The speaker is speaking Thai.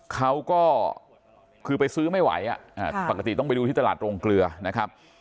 เขาก็คือไปซื้อไม่ไหวปกติต้องไปดูที่ตลาดโรงเกลือนะครับ